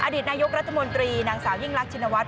อดีตนายกรัฐมนตรีนางสาวยิ่งรักชินวัฒ